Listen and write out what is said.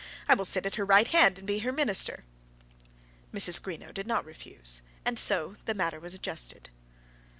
I will sit at her right hand and be her minister." Mrs. Greenow did not refuse, and so the matter was adjusted.